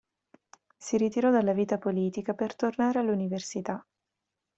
Si ritirò dalla vita politica per tornare all'università.